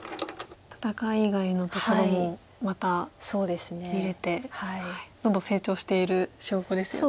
戦い以外のところもまた見れてどんどん成長している証拠ですよね。